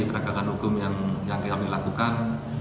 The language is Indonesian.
perangkatan hukum yang yang kami lakukan